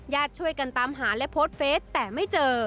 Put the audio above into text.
ช่วยกันตามหาและโพสต์เฟสแต่ไม่เจอ